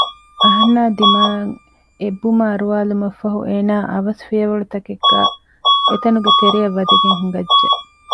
އަހަންނާ ދިމާއަށް އެއްބުމަ އަރުވާލުމަށްފަހު އޭނާ އަވަސް ފިޔަވަޅުތަކެއްގައި އެތަނުގެ ތެރެއަށް ވަދަގެން ހިނގައްޖެ